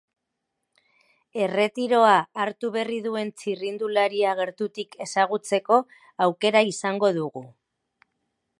Erretiroa hartu berri duen txirrindularia gertutik ezagutzeko aukera izango dugu.